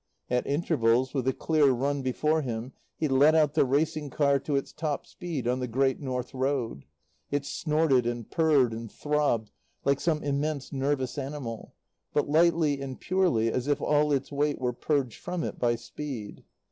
At intervals, with a clear run before him, he let out the racing car to its top speed on the Great North Road. It snorted and purred and throbbed like some immense, nervous animal, but lightly and purely as if all its weight were purged from it by speed.